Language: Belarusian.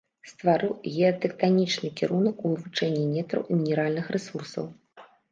Стварыў геатэктанічны кірунак у вывучэнні нетраў і мінеральных рэсурсаў.